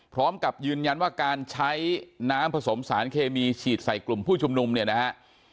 พร้อมกับยืนยันว่าการใช้น้ำผสมสารเคมีฉีดใส่กลุ่มผู้ชุมนุมเนี่ยนะฮะ